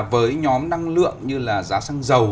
với nhóm năng lượng như là giá xăng dầu